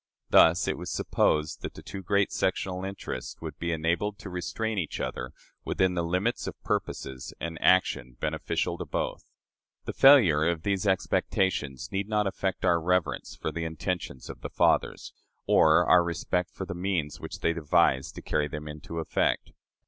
Thus it was supposed that the two great sectional interests would be enabled to restrain each other within the limits of purposes and action beneficial to both. The failure of these expectations need not affect our reverence for the intentions of the fathers, or our respect for the means which they devised to carry them into effect.